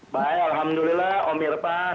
baik alhamdulillah om irfan